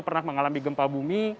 pernah mengalami gempa bumi